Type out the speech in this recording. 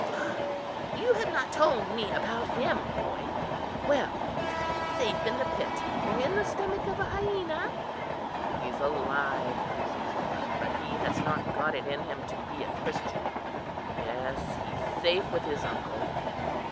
"Ah! you have not told me about him, boy. Well, is he safe in the pit, or in the stomach of an hyena?" "He's alive," said Juba; "but he has not got it in him to be a Christian. Yes, he's safe with his uncle."